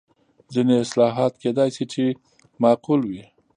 ځینې اصلاحات کېدای شي چې معقول وي.